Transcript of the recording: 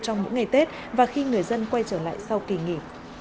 trong những ngày tết và khi người dân quay trở lại sau kỳ nghỉ